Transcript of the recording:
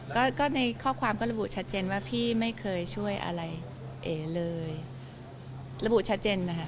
ก็ก็ในข้อความก็ระบุชัดเจนว่าพี่ไม่เคยช่วยอะไรเอ๋เลยระบุชัดเจนนะคะ